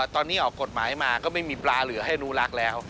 ตอนนี้ออกกฎหมายมาก็ไม่มีปลาเหลือให้อนุรักษ์แล้ว